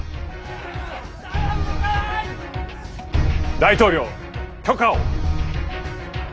大統領許可を！